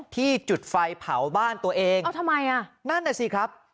ที่จุดไฟเผาบ้านตัวเองเอาทำไมอ่ะนั่นน่ะสิครับ